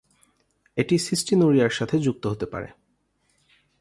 এটি সিস্টিনুরিয়া এর সাথে যুক্ত হতে পারে।